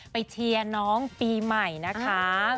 เชียร์น้องปีใหม่นะคะ